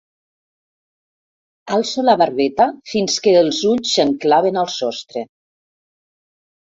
Alço la barbeta fins que els ulls se'm claven al sostre.